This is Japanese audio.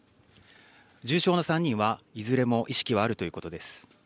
重傷の３人はいずれも意識はあるということです。